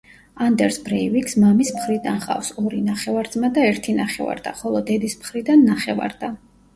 ანდერს ბრეივიკს, მამის მხრიდან, ჰყავს ორი ნახევარძმა და ერთი ნახევარდა, ხოლო დედის მხრიდან ნახევარდა.